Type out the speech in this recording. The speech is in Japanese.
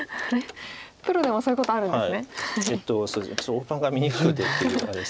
大盤が見にくくてっていうあれです。